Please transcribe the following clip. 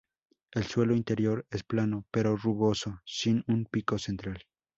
El suelo interior es plano pero rugoso, sin un pico central.